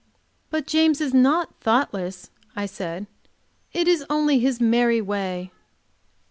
"But James is not thoughtless," I said. "It is only his merry way."